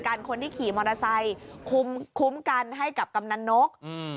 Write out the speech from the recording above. เป็นคนที่ขี่มอเตอร์ไซค์คุ้มกันให้กับกำนันโน๊ก